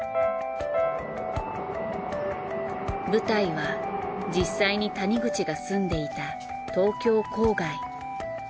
舞台は実際に谷口が住んでいた東京郊外。